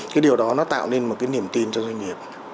cái điều đó nó tạo nên một cái niềm tin cho doanh nghiệp